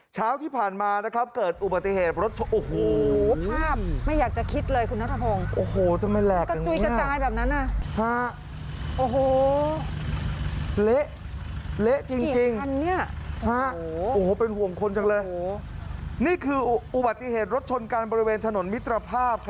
เช้าที่ผ่านมาเกิดอุบัติเหตุรถชนการบริเวณถนนมิตรภาพ